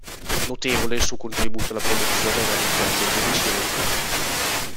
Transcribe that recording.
Notevole il suo contributo alla promozione realizzando dodici reti.